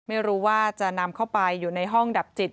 ไม่รู้ว่าจะนำเข้าไปอยู่ในห้องดับจิต